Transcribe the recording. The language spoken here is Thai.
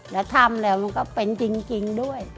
แล้วทำแล้วมันก็เป็นจริงด้วย